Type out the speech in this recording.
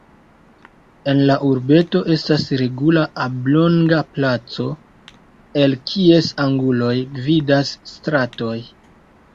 En la urbeto estas regula oblonga placo, el kies anguloj gvidas stratoj.